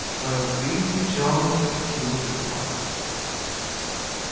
While greasy Joan doth keel the pot.